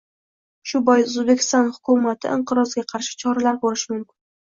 Shu bois, O‘zbekiston hukumati inqirozga qarshi choralar ko‘rishi mumkin